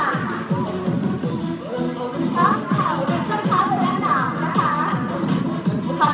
เข้าค่ะค่ะซ้ายและซ้ายขวางและขวาง